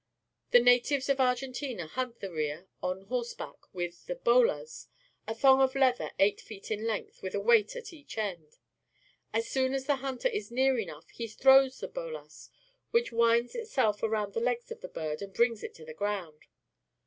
The natives of Ar gentina hunt the rhea on horseback with the "bolas," %''^^ thong of leather eight feet '* in length with a weight at each end. As soon as the hunter is near enough, he throws the bolas, which winds itself around the legs of the bird and brings it to the ground.